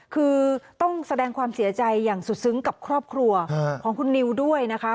คือต้องแสดงความเสียใจอย่างสุดซึ้งกับครอบครัวของคุณนิวด้วยนะคะ